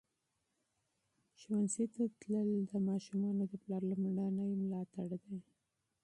ښوونځي ته تلل د ماشومانو د پلار لومړنی ملاتړ دی.